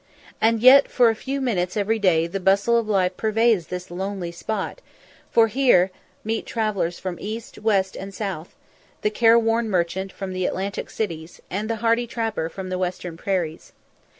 And yet for a few minutes every day the bustle of life pervades this lonely spot, for here meet travellers from east, west, and south; the careworn merchant from the Atlantic cities, and the hardy trapper from the western prairies.